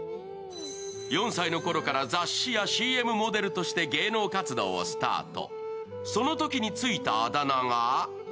４歳のころから雑誌やＣＭモデルとして芸能活動をスタート。